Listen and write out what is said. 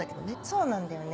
そうなんだよね